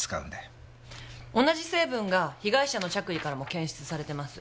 同じ成分が被害者の着衣からも検出されてます。